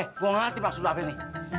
eh gue ngelatih pas dulu hp ini